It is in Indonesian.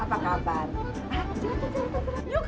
ay kenal juga enggak iyuh